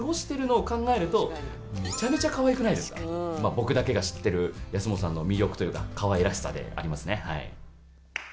僕だけが知ってる安元さんの魅力というかかわいらしさでありますね。